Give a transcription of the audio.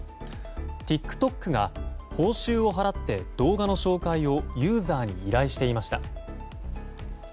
ＴｉｋＴｏｋが報酬を払って動画の紹介をユーザーに依頼していました。